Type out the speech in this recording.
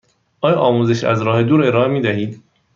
آیا آموزش از راه دور ارائه می دهید؟